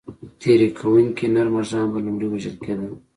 تېري کوونکي نر مږان به لومړی وژل کېدل.